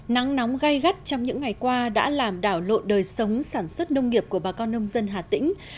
nắng nóng gai gắt trong những ngày qua đã làm đảo lộn đời sống sản xuất nông nghiệp của bà con nông dân hà tĩnh